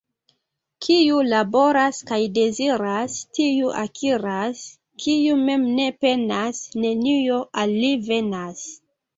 Kiu laboras kaj deziras, tiu akiras — kiu mem ne penas, nenio al li venas.